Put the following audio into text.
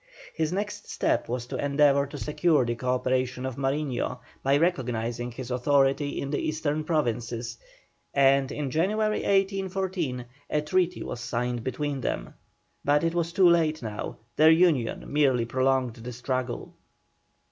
His next step was to endeavour to secure the co operation of Mariño, by recognising his authority in the eastern provinces, and in January, 1814, a treaty was signed between them. But it was too late now, their union merely prolonged the struggle.